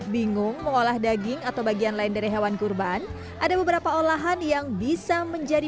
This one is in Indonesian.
bingung mengolah daging atau bagian lain dari hewan kurban ada beberapa olahan yang bisa menjadi